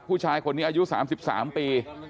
ผู้ชายคนนี้อายุ๓๓ปี